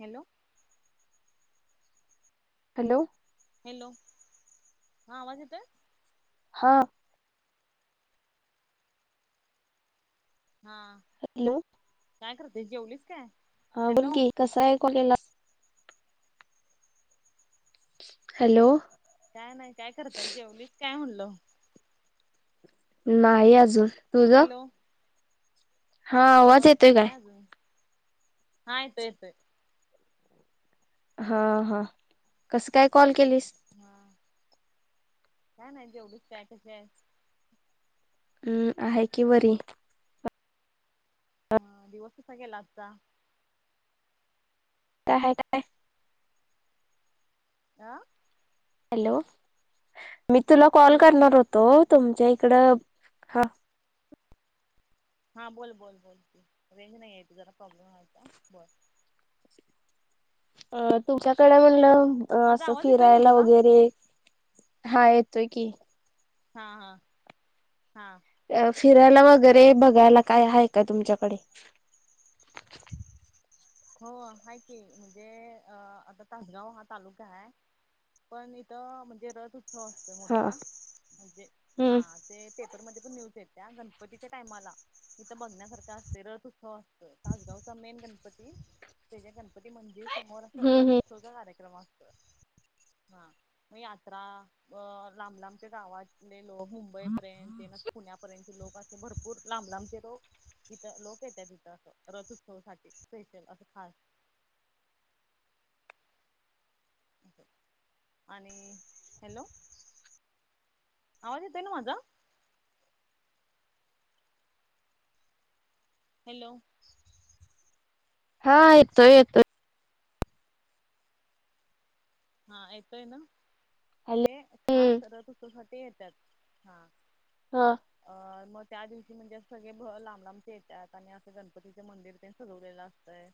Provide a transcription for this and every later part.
Hello! Hello! Hello! हा आवाज येतोय. हा हां हॅलो! काय करतेय, जेवलीस काय? हा हॅलो बोल की, कसं ऐकु गेलं हॅलो! काय नाही काय करताय, जेवलीस काय म्हणलं. नाही अजून,, तुझं? हॅलो हा आवाज होय येतोय काय? नाही अजून हा येतोय येतोय. हा हा, कसं काय कॉल केलीस? हां, काय नाय जेवलीस काय कशी आहेस? हम्म, आहे की बरी. मग दिवस कसा गेला आजचा? काय हाय काय? आं हॅलो, मी तुला कॉल हॅलो करणार होतो, तुमच्या इकडं हा हा बोल बोल बोल तु, रेंज नाही आहे ईत जरा प्रॉब्लेम आहेयता बोल. अ तुमच्याकडे म्हणलं, माझा असं आवाज येतोय ना फिरायला तुला वगैरे हा येतोय की. हां हां हां. अ फिरायला वगैरे बघायला काय आहे का तुमच्याकडे? हो हाय की, म्हणजे अ आता तासगाव हा तालुका हाय पण इथं म्हणजे रथ उत्सव असतोय हा मोठा, म्हणजे हा हम्म ते पेपरमध्ये पण न्यूज एत्या, गणपतीच्या टायमाला तिथं बघण्यासारखं असतय, रथ उत्सव होय, तासगावचा मेन गणपती त्याच्या गणपती मंदिर समो, र असं हम्म रथ हम्म उत्सवचा कार्यक्रम असतोय. हा, मग यात्रा, अं लांब लांबच्या गावात लय लोक, मुंबईपर्यंत ना पुण्यापर्यंत लोक भरपूर लांब लांबचे रो लोक येत तिथं, असं रथ उत्सवा साठी स्पेशल असं हाय. ओके आणि हॅलो आवाज येतोय ना माझा हॅलो! हा येतोय येतोय. हा येतोय ना, हॅलो ते खास हम्म रथउत्सव साठी येत्यात,, हा. हा. अ मग त्या दिवशी म्हणजे सगळे लांब लांबचेे येतात आणि असं गणपतीचे मंदिर तेन सजवलेला असतंय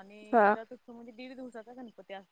आणि हा रथउत्सव व म्हणजे दीड दिवसाचा गणपती अस